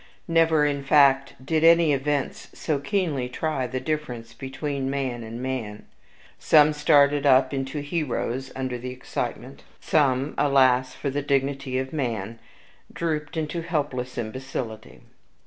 Never, in fact, did any events so keenly try the difference between man and man. Some started up into heroes under the excitement. Some, alas for the dignity of man! drooped into helpless imbecility.